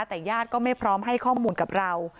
แต่ญาติก็ไม่พร้อมให้ข้อมูลกับเรา